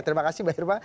terima kasih mbak irma